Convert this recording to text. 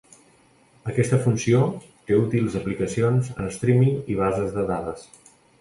Aquesta funció té útils aplicacions en streaming i bases de dades.